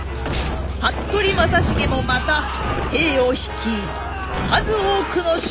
服部正成もまた兵を率い数多くの首級をあげ。